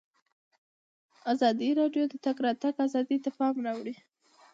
ازادي راډیو د د تګ راتګ ازادي ته پام اړولی.